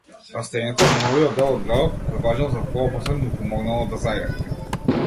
Растењето во новиот дел од градот, кој важел за поопасен, му помогнално да зајакне.